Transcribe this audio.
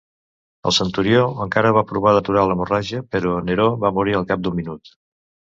El centurió encara va provar d'aturar l'hemorràgia però Neró va morir al cap d'un minut.